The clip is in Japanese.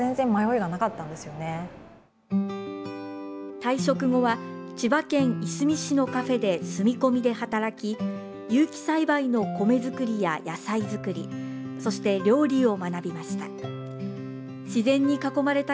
退職後は千葉県いすみ市のカフェで住み込みで働き有機栽培の米作りや、野菜作りそして料理を学びました。